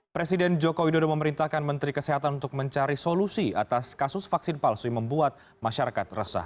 presiden joko widodo memerintahkan menteri kesehatan untuk mencari solusi atas kasus vaksin palsu yang membuat masyarakat resah